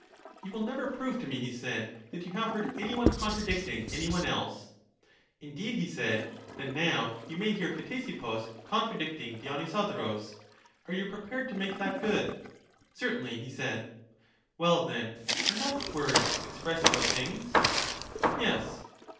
You will never prove to me, he said, that you have heard any one contradicting any one else. Indeed, he said; then now you may hear Ctesippus contradicting Dionysodorus. Are you prepared to make that good? Certainly, he said. Well, then, are not words expressive of things? Yes.